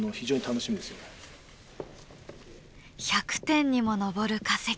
１００点にも上る化石。